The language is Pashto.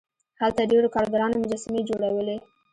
هلته ډیرو کارګرانو مجسمې جوړولې.